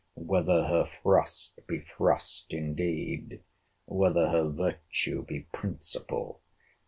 —Whether her frost be frost indeed? Whether her virtue be principle?